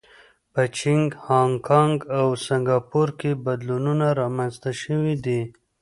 په چین، هانکانګ او سنګاپور کې بدلونونه رامنځته شوي دي.